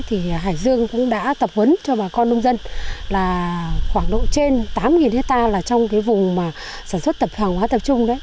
hải dương đã tập huấn cho bà con nông dân là khoảng độ trên tám hectare là trong vùng sản xuất tập hồng và tập trung